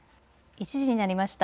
１時になりました。